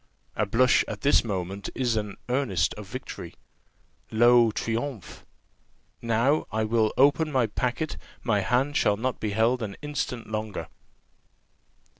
A blush at this moment is an earnest of victory. Lo, triumphe! Now I will open my packet; my hand shall not be held an instant longer."